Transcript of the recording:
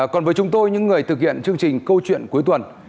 còn với chúng tôi những người thực hiện chương trình câu chuyện cuối tuần